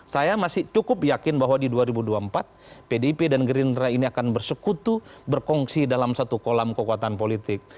saya masih cukup yakin bahwa di dua ribu dua puluh empat pdip dan gerindra ini akan bersekutu berkongsi dalam satu kolam kekuatan politik